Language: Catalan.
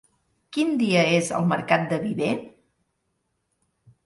Quin dia és el mercat de Viver?